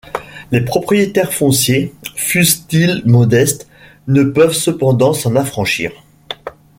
Les propriétaires fonciers, fussent-ils modestes, ne peuvent cependant s'en affranchir.